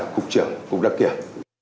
cục trưởng cục đăng kiểm